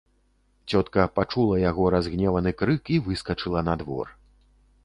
Цётка пачула яго разгневаны крык і выскачыла на двор.